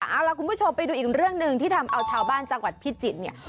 เอาล่ะคุณผู้ชมไปดูอีกเรื่องหนึ่งที่ทำเอาชาวบ้านจังหวัดพิจิตรเนี่ย